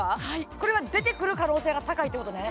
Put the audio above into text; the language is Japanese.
これは出てくる可能性が高いってことね